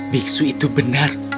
biksu itu benar